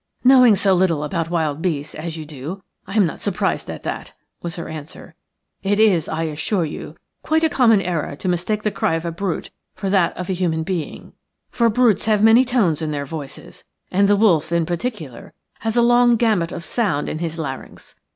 "Knowing so little about wild beasts as you do I am not surprised at that," was her answer. "It is, I assure you, quite a common error to mistake the cry of a brute for that of a human being, for brutes have many tones in their voices, and the wolf in particular has a long gamut of sound in his larynx.